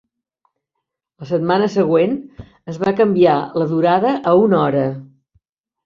La setmana següent es va canviar la durada a una hora.